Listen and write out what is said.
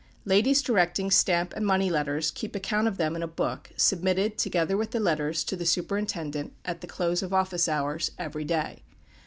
Ladies directing stamp and money letters keep account of them in a book, submitted, together with the letters, to the superintendent, at the close of office hours, every day.